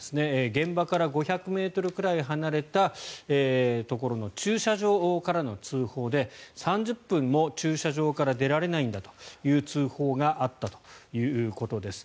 現場から５００ｍくらい離れたところの駐車場からの通報で３０分も駐車場から出られないんだという通報があったということです。